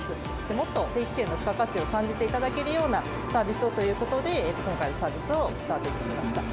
もっと定期券の付加価値を感じていただけるようなサービスをということで、今回のサービスをスタートしました。